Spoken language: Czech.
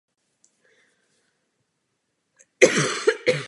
Výchovu získal v jezuitském konviktu v belgické Lovani.